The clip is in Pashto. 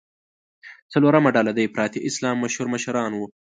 څلورمه ډله د افراطي اسلام مشهور مشران وو.